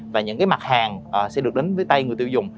và những mặt hàng sẽ được đến với tay người tiêu dùng